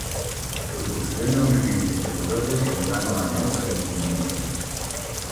Proporciona una menja saborosa i semblant a la mel per als indígenes.